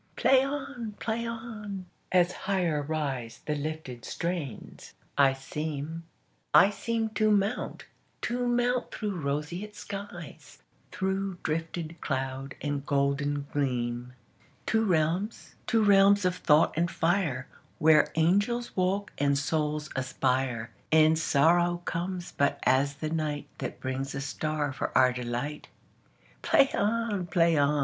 Play on! Play on! As higher riseThe lifted strains, I seem, I seemTo mount, to mount through roseate skies, Through drifted cloud and golden gleam, To realms, to realms of thought and fire, Where angels walk and souls aspire, And sorrow comes but as the nightThat brings a star for our delight. Play on! Play on!